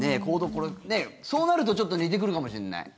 そうなるとちょっと似てくるかもしれない。